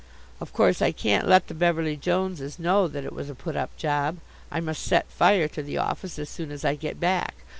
Of course I can't let the Beverly Joneses know that it was a put up job. I must set fire to the office as soon as I get back.